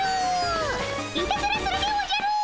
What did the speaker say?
いたずらするでおじゃる！